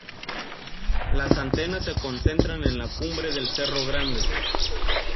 Las antenas se concentran en la cumbre del Cerro Grande.